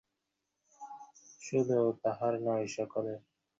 আজ আবার অন্য কারণে সেনদিদি মরিতে বসিয়াছে।